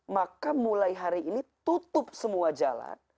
maka mulai hari ini tutup semua jalan